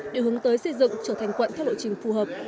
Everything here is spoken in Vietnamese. để hướng tới xây dựng trở thành quận theo lộ trình phù hợp